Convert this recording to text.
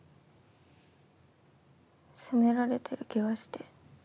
責められてる気がして。